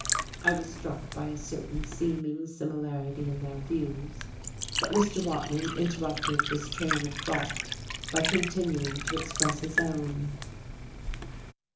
I was struck by a certain seeming similarity in their views; but Mr. Watling interrupted this train of thought by continuing to express his own.